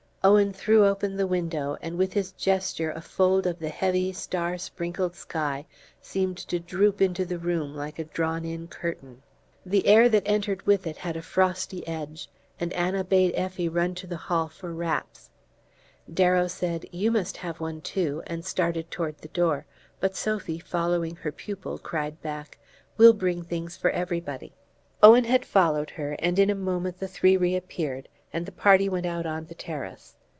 Owen threw open the window, and with his gesture a fold of the heavy star sprinkled sky seemed to droop into the room like a drawn in curtain. The air that entered with it had a frosty edge, and Anna bade Effie run to the hall for wraps. Darrow said: "You must have one too," and started toward the door; but Sophy, following her pupil, cried back: "We'll bring things for everybody." Owen had followed her, and in a moment the three reappeared, and the party went out on the terrace.